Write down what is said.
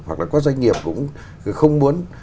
hoặc là các doanh nghiệp cũng không muốn